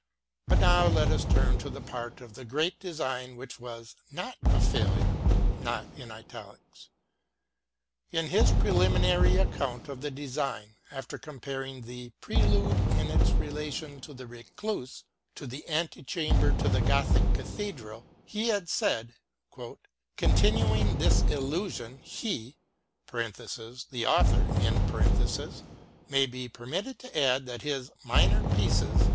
But now let us turn to the part of the great design which was not a failure. In his preliminary account of the design, after comparing the " Prelude " in its relation to the " Recluse " to the ante chamber of a Gothic cathedral, he had said, " continuing this allusion, he (the author) may be permitted to add that his Minor Pieces